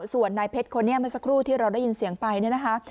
ส่วนนายเพชรคนนี้เมื่อสักครู่ที่เราได้ยินเสียงไปเนี่ยนะคะ